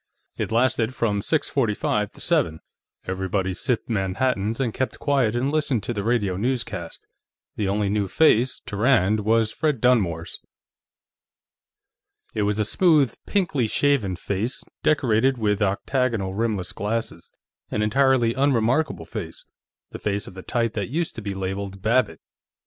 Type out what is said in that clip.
It lasted from six forty five to seven; everybody sipped Manhattans and kept quiet and listened to the radio newscast. The only new face, to Rand, was Fred Dunmore's. It was a smooth, pinkly shaven face, decorated with octagonal rimless glasses; an entirely unremarkable face; the face of the type that used to be labeled "Babbitt."